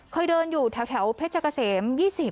เคยเดินอยู่แถวเพชรเกษม๒๐